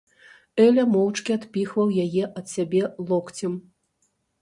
Эля моўчкі адпіхваў яе ад сябе локцем.